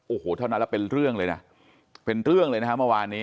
โอ้โหเท่านั้นแล้วเป็นเรื่องเลยนะเป็นเรื่องเลยนะฮะเมื่อวานนี้